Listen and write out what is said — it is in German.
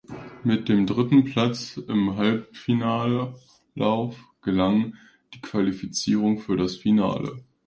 Mit dem Dritten Platz im Halbfinallauf gelang die Qualifizierung für das Finale.